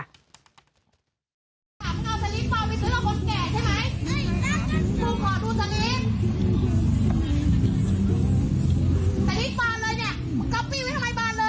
คุณเห็นเขาเป็นคนแก่ใช่ไหมอันนี้มันอันเก่าครับไม่เกี่ยวครับ